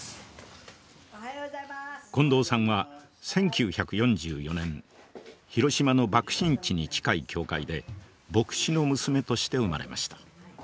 近藤さんは１９４４年広島の爆心地に近い教会で牧師の娘として生まれました。